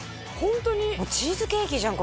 チーズケーキじゃん